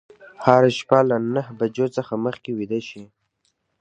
هره شپه له نهه بجو څخه مخکې ویده شئ.